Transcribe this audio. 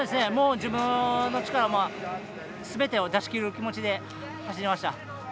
自分の力すべてを出し切る気持ちで走りました。